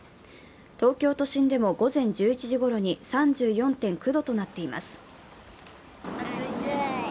東京都心でも午前１１時ごろに３４．９度となっています。